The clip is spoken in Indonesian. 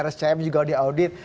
rsjm juga di audit